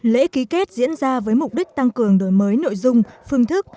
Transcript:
lễ ký kết diễn ra với mục đích tăng cường đổi mới nội dung phương thức